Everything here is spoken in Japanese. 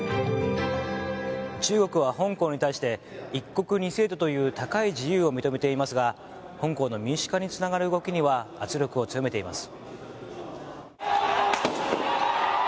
中国は香港に対して一国二制度という高い自由を認めていますが香港の民主化につながる動きには圧力を強めています。